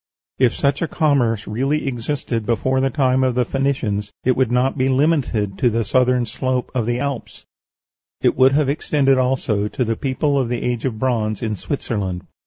If such a commerce really existed before the time of the Phoenicians, it would not be limited to the southern slope of the Alps; it would have extended also to the people of the age of bronze in Switzerland.